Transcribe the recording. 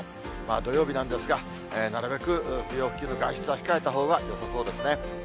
土曜日なんですが、なるべく、不要不急の外出は控えたほうがよさそうですね。